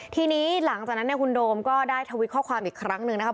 ทีนี้หลังจากนั้นเนี่ยคุณโดมก็ได้ทวิตข้อความอีกครั้งหนึ่งนะครับ